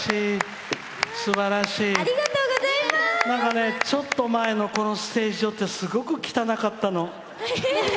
なんか、ちょっと前のこのステージ上ってすごく汚かったの。